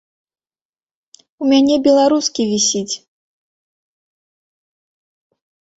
У мяне беларускі вісіць.